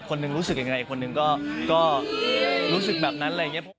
คนนึงรู้สึกอย่างไรอีกคนนึงก็รู้สึกแบบนั้น